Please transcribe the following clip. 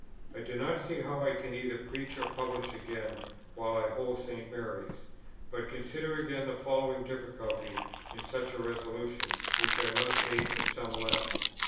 "I do not see how I can either preach or publish again, while I hold St. Mary's; but consider again the following difficulty in such a resolution, which I must state at some length.